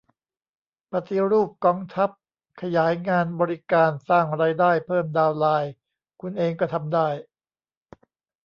ปฏิรูปกองทัพ ขยายงานบริการ สร้างรายได้ เพิ่มดาวน์ไลน์ คุณเองก็ทำได้